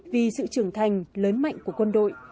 vì sự trưởng thành lớn mạnh của quân đội